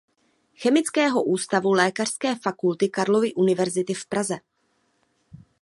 Chemického ústavu Lékařské fakulty Karlovy university v Praze.